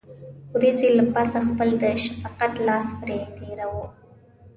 وريځې له پاسه خپل د شفقت لاس پرې تېروي.